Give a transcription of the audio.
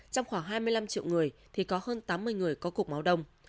trong khoảng hai mươi năm triệu người thì có hơn tám mươi người có cục máu đông